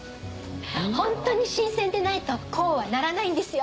ホントに新鮮でないとこうはならないんですよ。